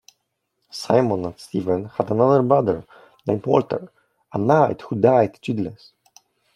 Simon and Stephen had another brother named Walter, a knight who died childless.